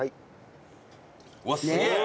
うわっすげえ！